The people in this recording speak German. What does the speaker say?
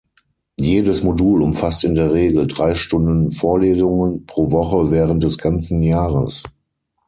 Jedes Modul umfasst in der Regel drei Stunden Vorlesungen pro Woche während des ganzen Jahres.